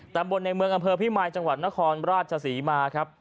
ตำบลในเมืองอำเภอพิมายจังหวัดนครราชศรีมาครับ